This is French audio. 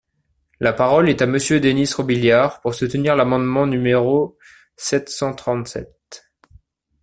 La parole est à Monsieur Denys Robiliard, pour soutenir l’amendement numéro sept cent trente-sept.